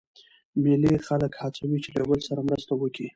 مېلې خلک هڅوي، چي له یو بل سره مرسته وکي.